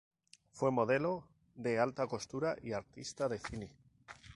Fue modelo de alta costura y artista de cine.